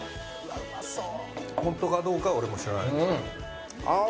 ホントかどうかは俺も知らない。